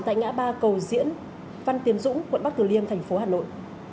tại ngã ba cầu diễn văn tiến dũng quận bắc tử liêm thành phố hà nội